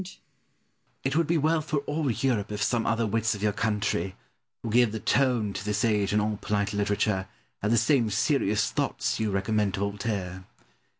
It would be well for all Europe if some other wits of your country, who give the tone to this age in all polite literature, had the same serious thoughts you recommend to Voltaire.